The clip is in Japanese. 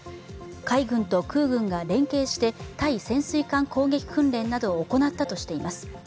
海軍と空軍が連携して対潜水艦攻撃訓練などを行ったとしています。